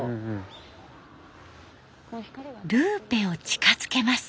ルーペを近づけます。